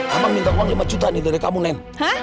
abang minta uang lima juta dari kamu nen